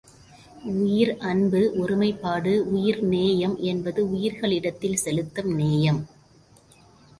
உயிர் அன்பு ஒருமைப்பாடு உயிர் நேயம் என்பது உயிர்களிடத்தில் செலுத்தும் நேயம்.